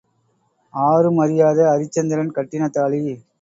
ஆரும் அறியாத அரிச்சந்திரன் கட்டின தாலி.